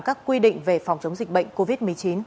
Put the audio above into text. các quy định về phòng chống dịch bệnh covid một mươi chín